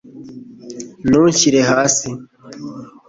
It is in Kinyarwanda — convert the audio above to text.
ntunshyire hasi